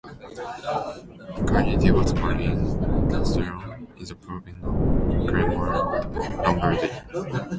Carniti was born in Castelleone, in the province of Cremona, Lombardy.